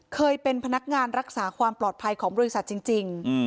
เคยเป็นพนักงานรักษาความปลอดภัยของบริษัทจริง